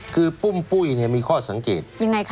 คือปุ้มปุ้ยเนี่ยมีข้อสังเกต